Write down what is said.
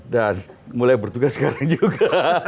dan mulai bertugas sekarang juga